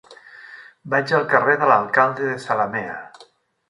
Vaig al carrer de l'Alcalde de Zalamea.